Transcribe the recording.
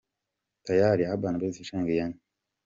Tayali – Urban Boys Ft Iyanya.